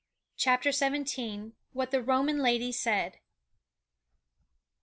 CHAPTER XVII. WHAT THE ROMAN LADY SAID.